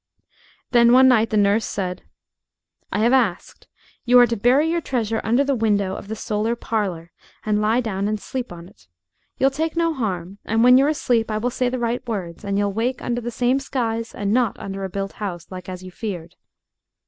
Then one night the nurse said "I have asked. You are to bury your treasure under the window of the solar parlor, and lie down and sleep on it. You'll take no harm, and when you're asleep I will say the right words, and you'll wake under the same skies and not under a built house, like as you feared."